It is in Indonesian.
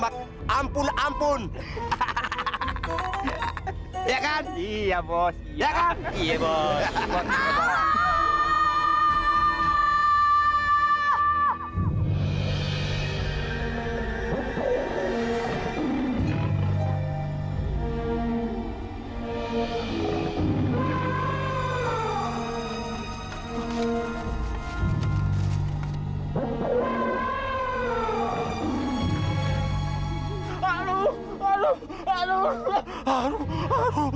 atau kamu mau aku merintahin temen temenku